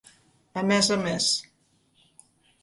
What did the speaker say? A més a més.